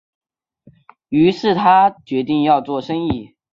於是他决定要做生意